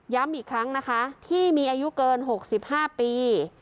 ย้ำอีกครั้งนะคะที่มีอายุเกินหกสิบห้าปี